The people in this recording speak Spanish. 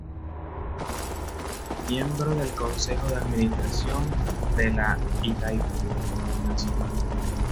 Miembro del Consejo de Administración de la Itaipú Binacional.